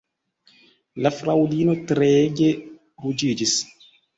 La fraŭlino treege ruĝiĝis.